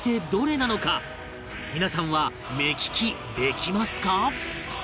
皆さんは目利きできますか？